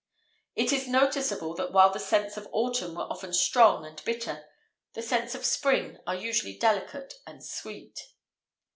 It is noticeable that while the scents of autumn are often strong and bitter, the scents of spring are usually delicate and sweet.